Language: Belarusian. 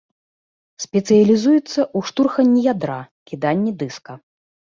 Спецыялізуецца ў штурханні ядра, кіданні дыска.